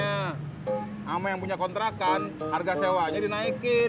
sama yang punya kontrakan harga sewanya dinaikin